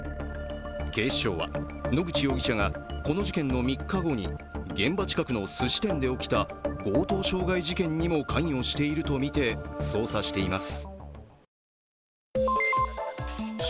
警視庁は、野口容疑者がこの事件の３日後に現場近くのすし店で起きた強盗傷害事件にも関与しているとみて捜査しています。